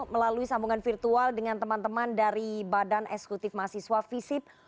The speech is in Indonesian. melalui sambungan virtual dengan teman teman dari badan ekskutif mas iswa face it